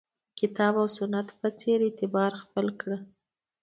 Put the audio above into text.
د کتاب او سنت په څېر اعتبار خپل کړ